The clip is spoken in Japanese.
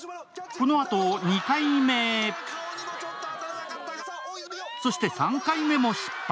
このあと２回目そして３回目も失敗。